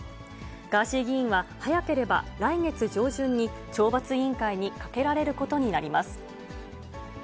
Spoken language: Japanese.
ガーシー議員は、早ければ来月上旬に懲罰委員会にかけられることになります。